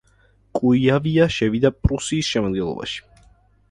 კუიავია შევიდა პრუსიის შემადგენლობაში.